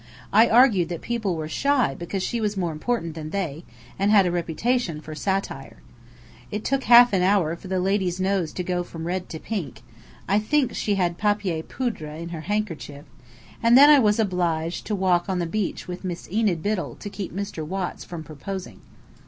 I argued that people were shy because she was more important than they, and had a reputation for satire. It took half an hour for the lady's nose to go from red to pink (I think she had papier poudré in her handkerchief); and then I was obliged to walk on the beach with Miss Enid Biddell to keep Mr. Watts from proposing.